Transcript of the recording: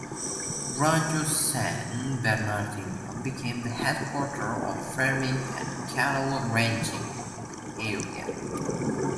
Rancho San Bernardino became the headquarters of farming and cattle ranching in the area.